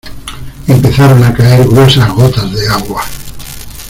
empezaron a caer gruesas gotas de agua.